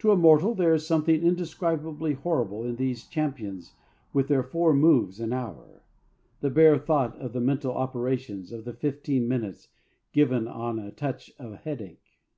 To a mortal there is something indescribably horrible in these champions with their four moves an hour the bare thought of the mental operations of the fifteen minutes gives one a touch of headache.